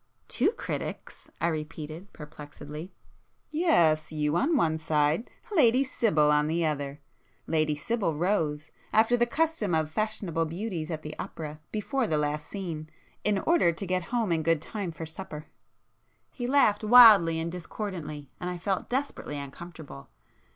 "Two critics?" I repeated perplexedly. "Yes. You on one side,—Lady Sibyl on the other. Lady Sibyl rose, after the custom of fashionable beauties at the opera, before the last scene, in order to get home in good time for supper!" He laughed wildly and discordantly, and I felt desperately uncomfortable.